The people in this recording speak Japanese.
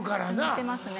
見てますね。